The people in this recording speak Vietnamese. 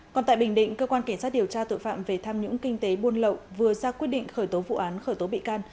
còn tại bình định cơ quan cảnh sát điều tra tội phạm về tham nhũng kinh tế buôn lậu vừa ra quyết định khởi tố vụ án khởi tố bị can